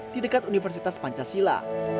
di dekat universitas pancasila